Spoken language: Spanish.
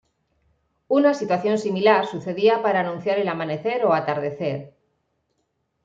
Una situación similar sucedía para anunciar el amanecer o atardecer.